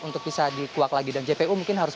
untuk bisa dikuak lagi dan jpu mungkin harus